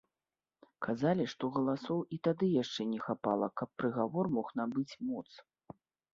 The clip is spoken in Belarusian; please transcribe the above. Казалі, што галасоў і тады яшчэ не хапала, каб прыгавор мог набыць моц.